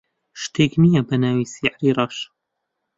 شتێک نییە بە ناوی سیحری ڕەش.